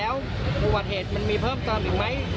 แล้วอุบัติเหตุมันมีเพิ่มเติมอีกไหม